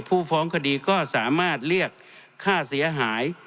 ผู้ฟ้องคดีก็สามารถเรียกค่าเสียหาย